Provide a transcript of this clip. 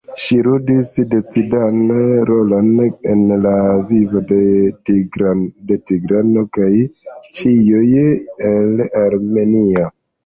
Ŝi ludis decidan rolon en la vivo de Tigrano kaj ĉiuj el Armenio.